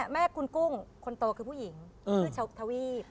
แม่คุณกุ้งคนโตคือผู้หญิงชื่อชาวทวีป